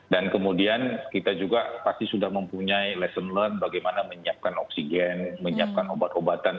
dan kemudian kita juga pasti sudah mempunyai lesson learned bagaimana menyiapkan oksigen menyiapkan obat obatan